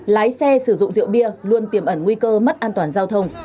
lái xe sử dụng rượu bia luôn tiềm ẩn nguy cơ mất an toàn giao thông